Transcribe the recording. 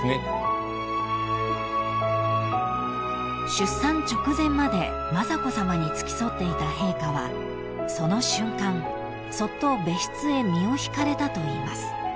［出産直前まで雅子さまに付き添っていた陛下はその瞬間そっと別室へ身を引かれたといいます］